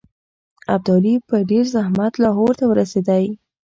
ابدالي په ډېر زحمت لاهور ته ورسېدی.